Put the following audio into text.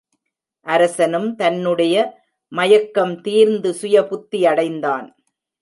அரசனும் தன்னுடைய மயக்கம் தீர்ந்து சுயபுத்தியடைந்தான்.